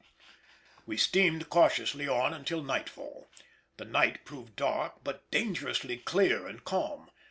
We steamed cautiously on until nightfall: the night proved dark, but dangerously clear and calm.